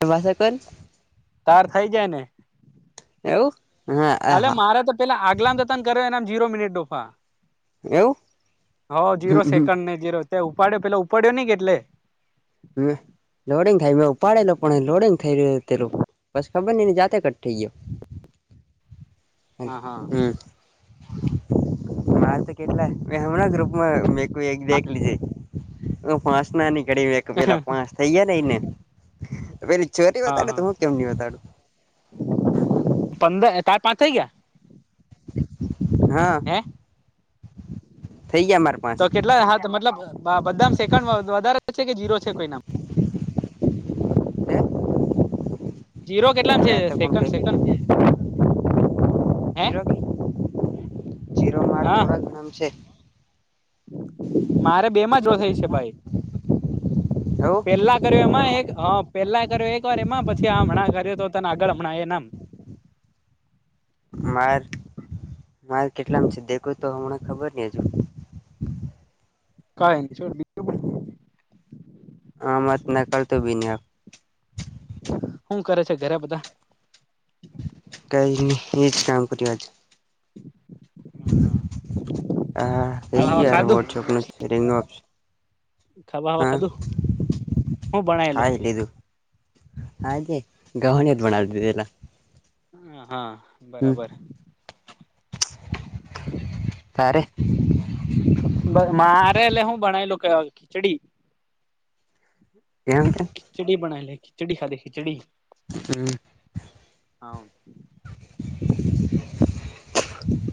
[unintelligible] કોન તાર થઈ જાય ને. એવું. હા આ અલે હા મારે તો પેલા આગલા તન કર્યોને એમાં જીરો મિનિટ ડોફા. હવ જીરો એવું સેકન્ડ ને જીરો ત્યાં ઉપાડ્યો પેલો ઉપાડ્યો નઈ એટલે. હા લોડીંગ થયેલું ઉપાડેલો પણ લોડિંગ થઈ રહ્યું એટલે. પછી ખબર નઈ એની જાતે કટ થઈ ગ્યો હમમ હા હા હમમ. મારે તો કેટલા મે હમણાં ગ્રુપમાં મેક્યુ એક બેક લીએ. હા પાસ ના નીકળે એને એક પેલા પાસ થઈ ગ્યા ને એને તો પેલી ચોરી હા બતાડે તો હા હું કેમ નહીં વતાડું પંદર ટાટા કઈ ગ્યા. હા. હે થઈ ગયા મારે પાંચ તો કેટલા હાથ મતલબ બધા ને સેકન્ડ વ વધારે છે કે જીરો છે કોઈ ના હવે જીરો કેટલામ છે આ તો કોણ સેકન્ડ કઈ સેકન્ડ. હે જીરો કે હા. નામ છે. મારે બે માં જ [unintelligible] છે ભાઈ. હવ પેલા કર્યો એમાં એક પેલા કર્યો એક વાર એમાં પછી હમણાં કર્યો તો તને આગળ હમણાં એ ના માં માર માર કેટલામ છે દેખો તો હમણાં ખબર નય હજુ. કાઇ ન ઇ [unintelligible] [inaudible] હુ કરે છે ઘરે બધા કઈ ન એ જ કામ કર આજ [inaudible] હા ખાધું ખાવા ખાવા હા ખાધું હું ખાય ભણાયેલું લિધુ [inaudible] હ હા હમ બરાબર તારે મારે એટલે હું બનાલઉ કે ખીચડી એમ કે ખીચડી બનાઈ લે ખીચડી ખાલી ખીચડી હમ્મ હા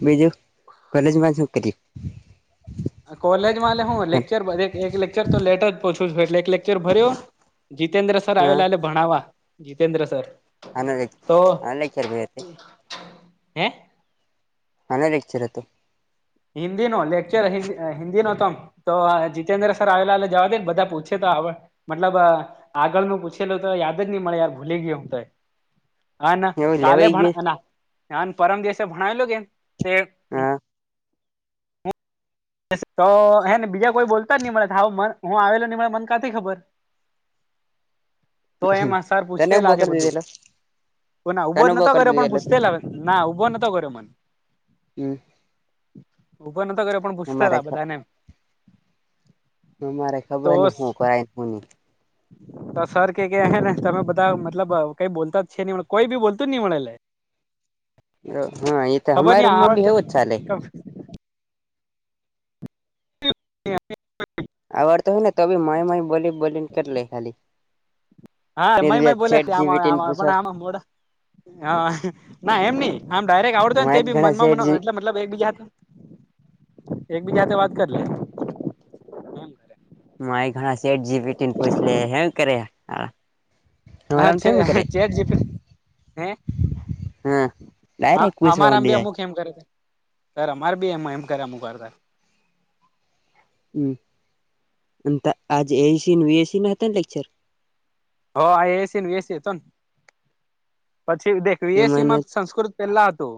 બીજું કોલેજમાં શું કર્યું કોલેજ માંલે હું લેક્ચર એક લેક્ચર તો લેટર પોછું છું એટલે એક લેક્ચર ભર્યો જીતેન્દ્ર સર હા આવેલા એ ભણાવા જીતેન્દ્ર સર હન લ તો હન લખ્યારે ભીતે હે મેનુ લેક્ચર હતુ હિન્દી નો લેક્ચર હ હિન્દી નો તોમ તો જીતેન્દ્ર સર આવેલા જવા દે ને બધા પૂછે તો આવડ મતલબ આગળ નું પૂછેલું તો યાદ જ નહી મળે યાર ભૂલી ગય હું તો હન એવું કાલે લેવાઈ ગયું ભણ પરમ દિવસે ભણેલો કેે તે હા તો હે ને બીજા કોઈ બોલતા ની મળે મ હું આવેલો ની મળે મન કાંથી ખબર તો એમ સર તને પૂછલા છે ઉભો આજે કરી બધું દીધેલો ના ઉભો તને નતો કરી કર્યો પણ દીધેલો પૂછ તી લ ના ઉભો નતો કર્યો મને હમ ઉભા નતો કરયો પણ પૂછ મા હ મારે તો ખબને હુકરાયુ તુ તો સર કે કેને તમે બધા મતલબ કઈ બોલતા જ છે નહી કોઈ બી બોલું જ નઈ મળેલે હા એ તો ખબર નઈ હમા ઉમમાં આવડ ભી હો ચાલે [inaudible] આર તો હોય ને તોબી માય માય બોલી બોલીને કર લે ખાલી હા મ નિર્વ્યા ચેટ બોલ્યા આમાં જીપીટી ને આમાં આવે પૂછો પણ આમાં મોડા હા ના એમ નહ આમ ડાયરેક્ટ આવડતો હો માય ને બી ઘણા શેઠ મનમાં જી એટલે મતલબ એક બી જાતે એક બી જાતે વાત કર લે એમ માઈ ઘણા સેટ જીબી ટીન પૂછ લે હે કરે આ હરામ છે થેમ હે કરે ચેટ જીપીટી હે હા હ ડાયરેક્ટ પૂછવા અમારા મંડી આમબી જાય અમુક એમ કરે છે સર અમારે બી એમમાં એમ કર્યામ કરતા હમ અને આજ એસી વીએસી ના હતા ને લેક્ચર હ એસીએસી હતો ને પછી દેખ વીએસી એમાં માં સંસ્કૃત પેલા હતું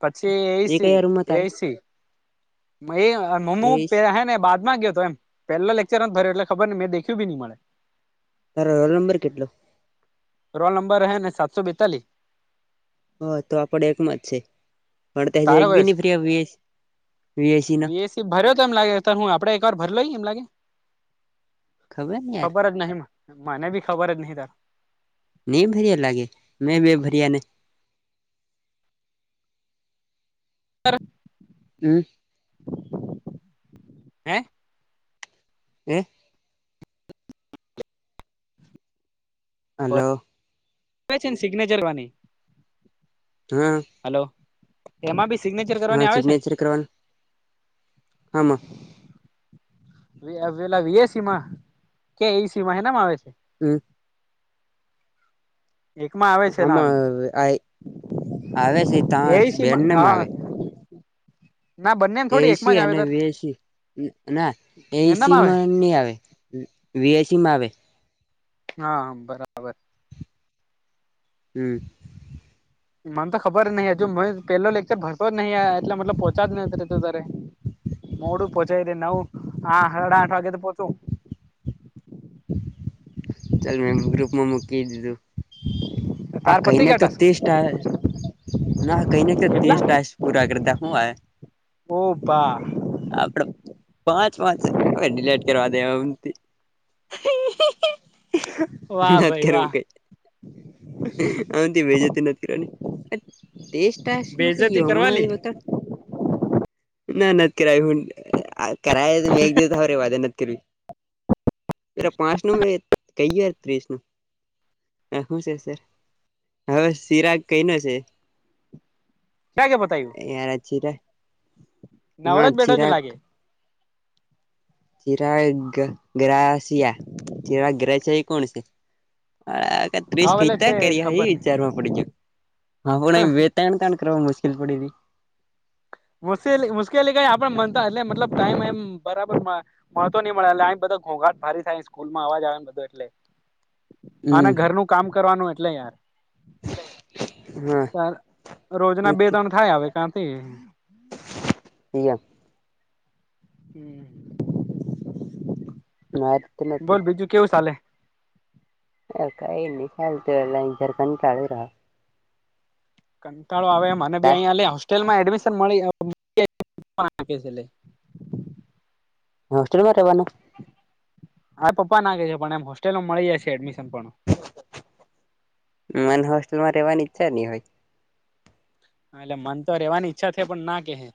પછી એ એસી કયા રૂમમાં તારે એસી એ મમ્મુ એસ પે હે ને બાદમાં ગયો હતો એમ પેલા લકચર ભર્યો એલે ખબર નેં દેખયુ નઈ મળે તારો રોલ નંબર કેટલો રોલ નંબર હે ને સાતસો બેતાલીસ હ તો આપડે એકમાં જ છે, પણ તારો એક બી કયો છે ન વીએસી નો ભર્યો તો એમ લાગે હું આપે એક વાર ભર લઈ એમ લાગે. ને યાર ખબર જ નહીં મને ભી ખબર જ નહી તાર નહી ભર્યા લાગે, મેં બે ભરિયા ને. [unintelligible] હમ્મ હે એ હલો. ઓ છેન સિગ્નેચર વાની. હા હલો એમાં બી સિગ્નેચર હા કરવાની આવે છેન? સિગ્નેચર કરવાનું હામાં વિઆ પેલા વી એ સી મા કે ઈ સી મા, હેનામા આવે છે. હમ્મ એકમાં આવે છે નાલ, હામાં આ આવે છે એ ત્યાં ઈ સી મા બેનનામાં હા આવે [inaudible] એ થોડી ઈ એકમાં સી જ આવે અને તાર વી એ સી, ના એ ઈ એનામાં સી આવે માં નહી આવે. વી એ સી માં આવે. હા બરાબર. હમ્મ મને તો ખબર નહીં, હજુ મેં પેલો લેક્ચર ભરતોજ નહીં, આ એટલે મતલબ, પોહોચા જ નથી હેતુ તારે. મોડું પોહોંચાય દે નવ, આ સાડા આઠ વાગે તો પોહોચુ. ચાલ મેં મેં ગ્રુપમાં મૂકી દીધુ. આ તાર પતી કહીને ગયા તો ટાસ્ક ટેસ્ટ આવે. ના કઈ ના કેટલા ટેસ્ટ આયે, પૂરા કરતા હુ આહે? ઓ બા આપડો પાંચ પાંચ, હવે ડિલેટ કરવા દે હમ્તી [unintelligible] ના અત્યારે વાહ એવુકે, અમતી બેઇજ્જતી નથી કરવાની. અ તેસ્ટ ટાસનુ કઈ, બેજતી હમના કરવાલી ઈ બતા ના નથ કરાયુ આત કરાયા તો મેં એક દિવસ હો રેવાડે નથ કરવી, પેરા પાંચ નું મે કહીયર ત્રીસ નુ હ શું છે સર, હવે સિરાગ કઈ ના છે? ક્યાં કે આયારા ચીરા નવરોજ બેટો છે લાગે. ચીરાગ ગ્રાસિયા, ચીરા ગ્રસિયા એ કોણ છે? તા ટ્વિસ હા ભલે છે કેતા કરયા હે ખબર નઈ વિચારવામા પડી ગયો, હા હો નહી વેત ત્રેન કણ કરવા મુશ્કેલ પડી વી. મુસેલી મુશ્કેલી કઈ આપડે મનતો એટલે મતલબ ટાઈમ એમ બરાબર વા મળતો નઈ મળે, આઈ બધો ઘોંઘાટ ભારી થાય, સ્કૂલમા અવાજ આવે, ને બધો એટલે અને હમ ઘરનું કામ કરવાનું, એટલે યાર. હા યાર, રોજ ના બે ત્રણ થાય આવે, કાંથી યા હમ્મ નાત નથી. કેવું સાલે? એ કઈ નહિ, શાંતિ હવે જરકને ચાળુરા કંટાળો આવે મનેબી રહ્યો અહીંયા, લે હોસ્ટેલમાં એડમિશન મળી [unintelligible] હોસ્ટેલમાં રહેવાનું? આ પપ્પા ના કે છે, પણ એમ હોસ્ટેલમાં મળી જાયછે, એડમિશન પણ મન હોસ્ટેલમાં રેવાની ઈચ્છા ની હોય. હા એટલે મન તો રહેવાની ઈચ્છા છે પણ ના કે હે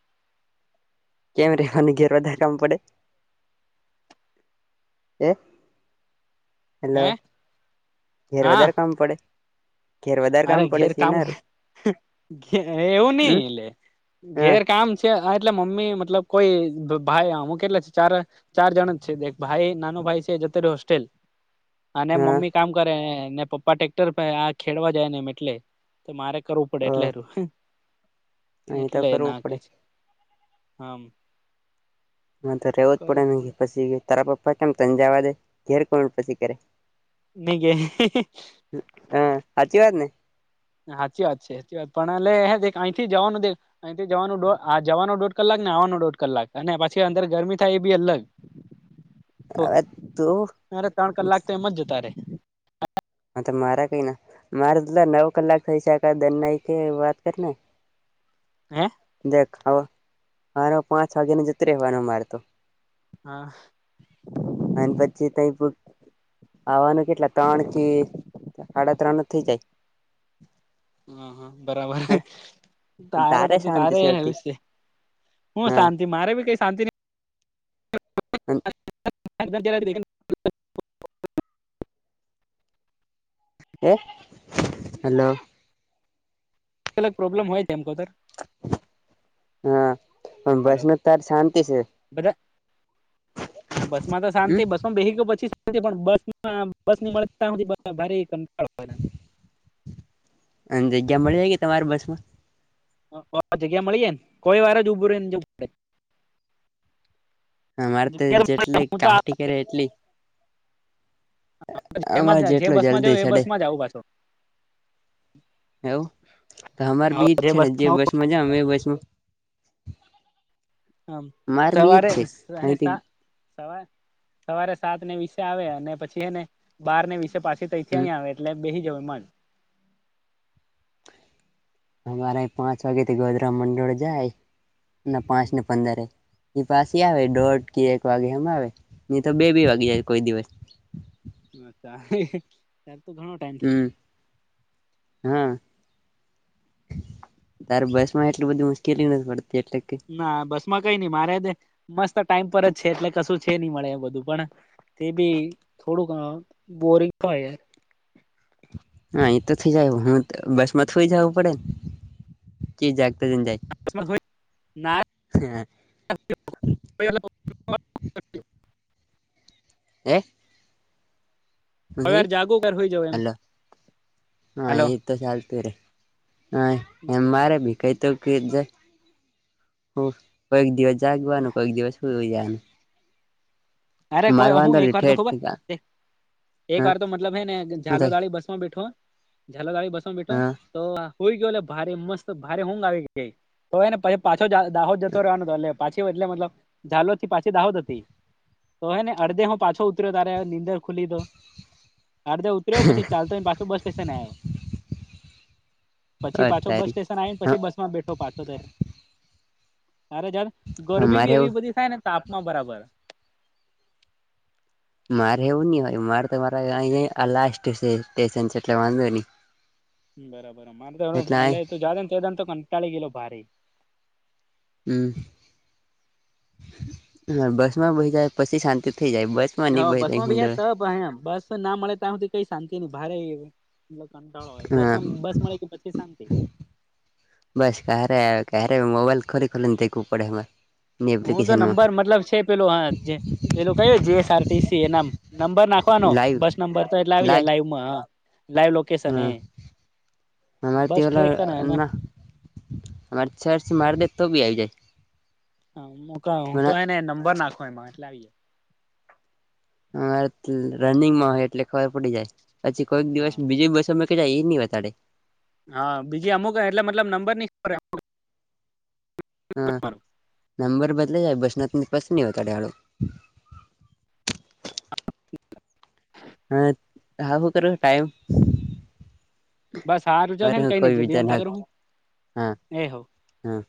કેમ રવાનું ઘેર બધા કામ પડે એ હેલો. હે ઘેર હા વધારે કામ પડે? ઘેર વધારે અરે કામ પડે ઘેર છે કામ એનારું એવું નઈ હમ એટે હા ઘેર કામ છે એટલે મમ્મી મતલબ કોઈ ભાઈ હું કેટલા ચારે ચાર જણ જ છે ભાઈ નાનો ભાઈ છે જતોરે હોસ્ટેલ અને હા મમ્મી કામ કરેને પપ્પા ટેક્ટર આ ખેડવા જાય ને એમ એટલે તો મારે કરવું પડે એટલે નહી તો એટલે કરવું ના કે પડે હમ્મ તો રહેવું જ પડે ને પછી તારા પપ્પા કેમ તંજાવા દે ઘેર કો પછી કરે. ની કેય હ હાચી વાત ને. સાચી વાત છે. પણ એલે અહીંથી જવાનું દે અહીંથી જવાનો જવાનો દોઢ કલાક ને આવવાનો દોઢ કલાક અને પછી અંદર ગરમી થાય એ બી અલગ. તો હવે તું અરે ત્રણ કલાક તો એમ જ જતા રે. હા તો મારા કઈ ના મારેલા નવ કલાક થઈ શ દ કે વાત કરી ને. હે દેખ હો મારો પાંચ વાગ્યાને જત રહેવાનો અમાર તો. હા અને પછી ત આવાનું કેટલા ત્રણ કે હાડા ત્રણ થઇ જાય. હ બરાબર. જાય તાર તારે તો શાંતિ તારે છેતી હશે. હું હા શાંતિ મારે બી કઈ શાંતિ ની [inaudible] [unintelligible] હે હલો. અગ પ્રોબ્લેમ હોય એમ હા પણ બસ હાલો ન તારી શાંતિ છે. બધા હા બસ તો હમ શાંતી બસ બેહ પછી પણ બસ બસ ની મળ ભ કંળય અને જગ્યા મળી જાય કે તમારા બસ માં જગ્યા મળી જાય. કોઈ વાર જ ઊભું રેને જવું પડે અમારે તો જેટલી હું તો કા્ટી કરે એટલી જેમાં અમારે જે જેટલો બસ માં જ જલ્દી એ ચડે બસ માં જ આવું પાછો. એવુ તો હર ભીચ છે ને જે બસ મજા આવે બસમાં. હમ્મ માર બી ઈજ સવારે છે અને અહીંથી સા સવા સવારે સાત ને વિશે આવે. અને પછી એને બાર ને વિસે પાછી હમ તાથીં આવે એટલે બેહી જાવાનું અમારે પાંચ વાગેથી ગોધરા મંડળ જાય. અને પાંચ એમ ને જ પંદરે એની પાછી આવે દોઢ કે એક વાગે એમ આવે. ને તો બે બી વાગે જાય કોઈ દિવસ. અચ્છા. તાર તો ઘણો ટાઈમ થઇ હમ્મ. જાય હા. તારે બસ માં એટલી બધી મુશ્કેલી નથી પડતી એટલે કે ના બસ માં કઈ નઈ મારે મસ્ત ટાઈમ પર જ છે. એટલે કશું છે નહી મળે એ બધું પણ તે ભી થોડું ઘ બોરિંગ થાય હા એ તો થઇ જાય. હું બસ માં થઈ જવું પડે ને કે જાગતા જને જાય. ના હે જાગુ કર હોય જવ એમ હલો હ હાલો એ તો ચાલતુ રે હ એમ મારે ભી કઈતો કે કોઈક દિવસ જાગવાનું કોઈક દિવસ સુઈ જવાનું. અરે કોઈ માર હું વાંધો એક ને વાર તો ઠેઠ ખબર એક હા વાર તો મતલબ હે ને હું ઝાલોદવાળી બસ માં બેઠો ઝાલોદવાળી બસ બેઠો થાય તો હોય ગયો ભારે મસ્ત ભારે ઊઘ આવી ગઈ તો એને પછ પાછો દાહોદ જતો રહેવાનો હતો એ પાછી એટલે મતલબ ઝાલોદ થી પાછી દાહોદ હતી. તો હ ને અડધે હુ પાછો ઉતર્યો તારે નીંદર ખુલી તો અડધે પછી ચાલતો પાછું બસ સ્ટેશન આવ્યો. પછી હા પાછો બસ તારી સ્ટેશન આવીને હા પછી બસ માં બેઠો પાછો ત તારે જાર ગરમી મારે બી એવું એવી બધી થાય ને તાપમા બરાબર મારે એવું નહી હોય મારે તો મારા લાસ્ટ સ્ટેશન એટલે વાંધો નહી. બરાબર એટલે આ મારે જા તો કંટાળી કિલો ભારે. હમ હ બસ માં બહી જાય પછી શાંતિ થઇ જાય બસ. માની ભય તહીં હુંદય પણ બસ ના મળે ત્યા સુધી કઈ શાંતિ ન ભારે આવી. એ કંટાળો હોય બસ હા બસ મળે કે પછી શાંતિ. બસ કારે ક્યારે મોબાઈલ ખોલી ખોલને દેખવું પડે મારે હું તો નંબર મતલબ છે પેલો હા જે પેલું કય જીએસ આરટીસી એના નંબર નાખવાનો લાઈવ બસ નંબર તો એટલે આવી જાય લાઈવમાં હ. લાઈવ લોક હ અમારે બસ ત્યાં ટ્રેક ઓલા ને એને એમના મચ્છરથી મારી દે તો બી આવી જાય. હ ક હું તો એને નંબર નાખો એમાં એટલે આવીે. હ રનિંગ માં હોય એટલે ખબર પડી જાય પછી કોઈક દિવસ હા બીજી બસ જાય એ ની બતાડે હા બીજી અમુક એટલે મલબ નંબર ની પડે હા નંબર બદલય જાય બસનાથની પાસે બસ નહી બતાડૅ હાળો. હ હા હું કરો ટાઈમ. બસ હ રજલને અરે કઈ ન કોઈ જ વિચાર એ હો હમ